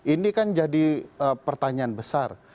ini kan jadi pertanyaan besar